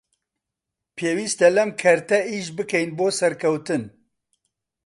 پێویستە لەم کەرتە ئیش بکەین بۆ سەرکەوتن